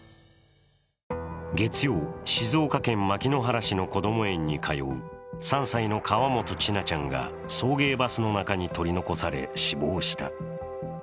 月曜、静岡県牧之原市のこども園に通う３歳の河本千奈ちゃんが送迎バスの中に取り残され死亡した。